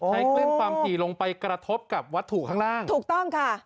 คลื่นความถี่ลงไปกระทบกับวัตถุข้างล่างถูกต้องค่ะ